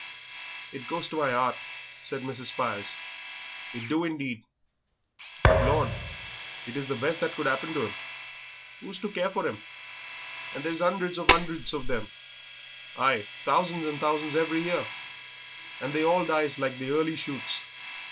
"It goes to my 'eart," said Mrs. Spires, "it do indeed, but, Lord, it is the best that could 'appen to 'em; who's to care for 'em? and there is 'undreds and 'undreds of them ay, thousands and thousands every year and they all dies like the early shoots.